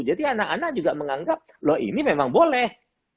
jadi anak anak juga menganggap loh ini memang boleh